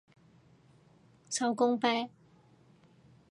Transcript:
手工啤